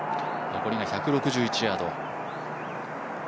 残りが１６１ヤード。